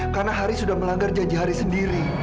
karena haris sudah melanggar janji haris sendiri